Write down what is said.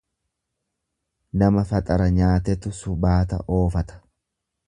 Nama faxara nyaatetu subaata oofata.